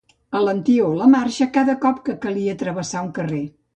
Alentíeu la marxa cada cop que calia travessar un carrer.